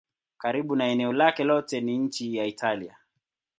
Karibu eneo lake lote ni nchi ya Italia.